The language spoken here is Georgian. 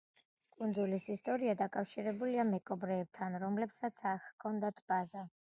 კუნძულის ისტორია დაკავშირებულია მეკობრეებთან, რომლებსაც აქ ჰქონდათ ბაზა.